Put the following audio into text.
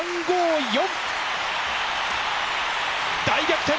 大逆転！